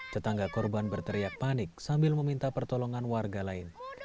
tetangga korban berteriak panik sambil meminta pertolongan warga lain